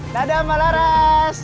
dadah mbak laras